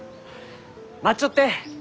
待っちょって！